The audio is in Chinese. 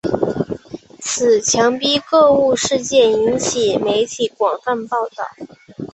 此强逼购物事件引起媒体广泛报道。